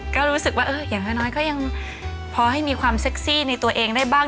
ก็รู้สึกว่าอย่างน้อยก็ยังพอให้มีความเซ็กซี่ในตัวเองได้บ้าง